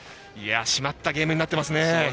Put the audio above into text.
締まったゲームになっていますね。